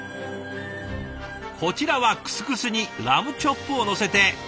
こちらはクスクスにラムチョップをのせて。